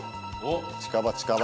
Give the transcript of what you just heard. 近場近場。